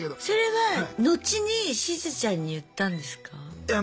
それは後にしずちゃんに言ったんですか？